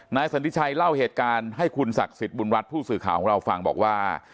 สันติชัยเล่าเหตุการณ์ให้คุณศักดิ์สิทธิ์บุญรัฐผู้สื่อข่าวของเราฟังบอกว่า